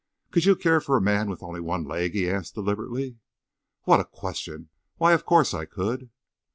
"Could you care for a man with only one leg?" he asked, deliberately. "What a question! Why, of course I could!"